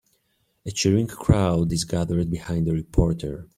A cheering crowd is gathered behind a reporter.